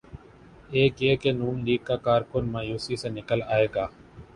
ایک یہ کہ نون لیگ کا کارکن مایوسی سے نکل آئے گا۔